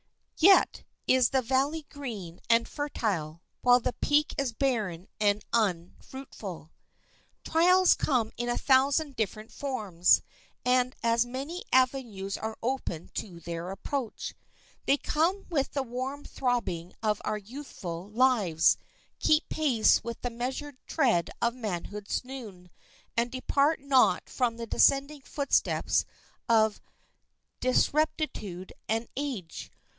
Yet is the valley green and fertile, while the peak is barren and unfruitful. Trials come in a thousand different forms, and as many avenues are open to their approach. They come with the warm throbbing of our youthful lives, keep pace with the measured tread of manhood's noon, and depart not from the descending footsteps of decrepitude and age.